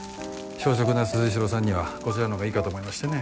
小食な鈴代さんにはこちらのがいいかと思いましてね。